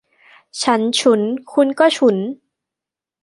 ฉันฉุน คุณก็ฉุน